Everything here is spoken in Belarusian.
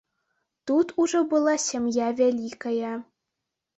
Тут ужо была сям'я вялікая.